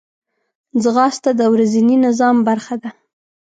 ځغاسته د ورځني نظام برخه ده